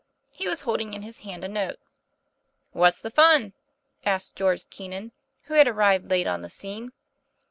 He was holding in his hand a note. 'What's the fun?" asked George Keenan, who had arrived late on the scene.